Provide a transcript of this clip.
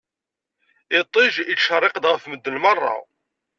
Iṭij ittcerriq-d ɣef medden merra.